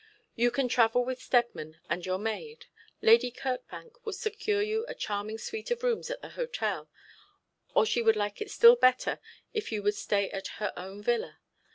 You can travel with Steadman and your maid. Lady Kirkbank will secure you a charming suite of rooms at the hotel, or she would like it still better if you would stay at her own villa.